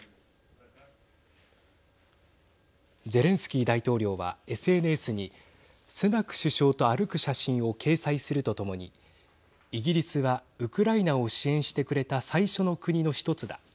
ゼレンスキー大統領はＳＮＳにスナク首相と歩く写真を掲載するとともにイギリスはウクライナを支援してくれた最初の国の１つだ。